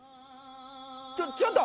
ちょちょっと！